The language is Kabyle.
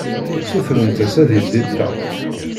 Sutrent-as ad yeldi ṭṭaq.